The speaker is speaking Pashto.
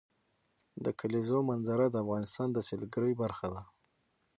د کلیزو منظره د افغانستان د سیلګرۍ برخه ده.